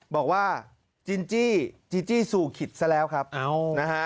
บอกว่าจินจี้จีจี้สู่ขิตซะแล้วครับนะฮะ